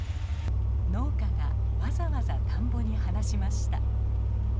農家がわざわざ田んぼに放しました。